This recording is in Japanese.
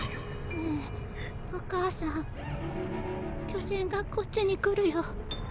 ねぇお母さん巨人がこっちに来るよ。